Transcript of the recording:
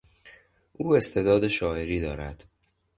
او استعداد شاعری دارد.